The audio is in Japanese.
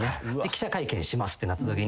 記者会見しますってなったとき